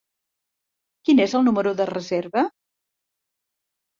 Quin és el número de reserva?